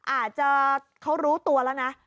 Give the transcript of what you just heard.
อาจจะเขารู้ตัวแล้วนะ